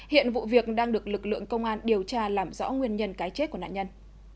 hiện vụ việc đang được lực lượng công an điều tra làm rõ nguyên nhân cái chết của nạn nhân